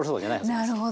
なるほど。